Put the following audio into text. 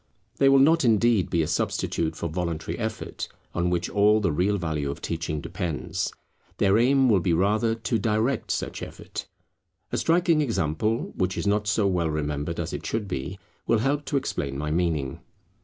They will not indeed be a substitute for voluntary effort, on which all the real value of teaching depends. Their aim will be rather to direct such effort. A striking example, which is not so well remembered as it should be, will help to explain my meaning.